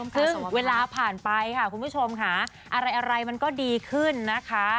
ซึ่งเวลาผ่านไปค่ะคุณผู้ชมค่ะอะไรมันก็ดีขึ้นนะคะ